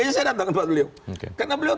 aja saya datang kepada beliau karena beliau